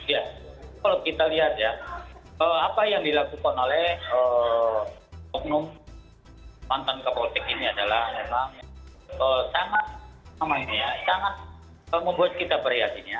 ya kalau kita lihat ya apa yang dilakukan oleh oknum mantan kapoltik ini adalah memang sangat membuat kita berhatinya